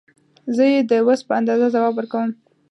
زه یې د وس په اندازه ځواب ورکوم.